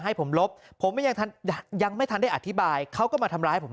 วันนี้ทีมข่าวไทยรัฐทีวีไปสอบถามเพิ่ม